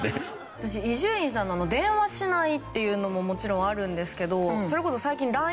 私伊集院さんの電話しないっていうのももちろんあるんですけどそれこそ。